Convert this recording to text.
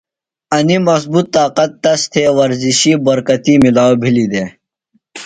انیۡ مضبوط طاقت تس تھےۡ ورزشی برکتی ملاؤ بِھلیۡ دےۡ۔